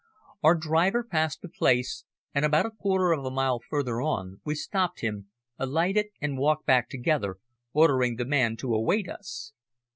Our driver passed the place and about a quarter of a mile further on we stopped him, alighted and walked back together, ordering the man to await us.